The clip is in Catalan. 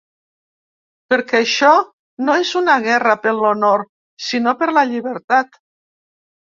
Perquè això no és una guerra per l'honor sinó per la llibertat.